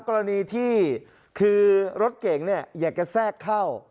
กรณีที่คือรถเก่งอยากจะแทรกเข้า